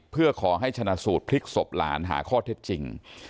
เพื่อขอให้ชนะสูตรพลิกศพหลานหาข้อเท็จจริง